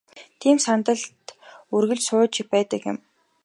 Тийм сандалд үргэлж сууж байдаг юм.